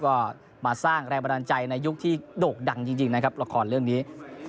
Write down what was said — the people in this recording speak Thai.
ก็มาสร้างแรงบันดาลใจในยุคที่โด่งดังจริงนะครับละครเรื่องนี้